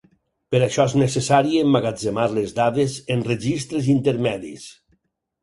Per això és necessari emmagatzemar les dades en registres intermedis.